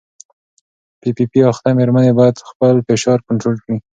پي پي پي اخته مېرمنې باید خپل فشار کنټرول کړي.